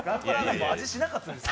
もう味しなかったですよ。